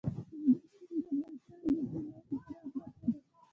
کندز سیند د افغانستان د اجتماعي جوړښت برخه ده.